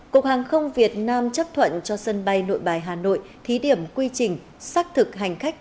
cục hàng không việt nam chấp thuận cho sân bay nội bài hà nội thí điểm quy trình xác thực hành khách